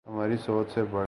ہماری سوچ سے بڑھ کر